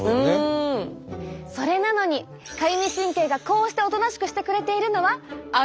それなのにかゆみ神経がこうしておとなしくしてくれているのはあのお方のおかげ！